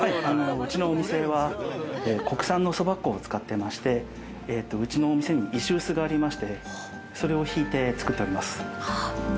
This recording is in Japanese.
うちのお店は国産のそば粉を使ってましてうちのお店に石臼がありましてそれを挽いて作っております。